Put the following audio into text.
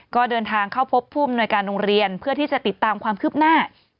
ก็เดินทางเข้าพบผู้อำนวยการโรงเรียนเพื่อที่จะติดตามความคืบหน้า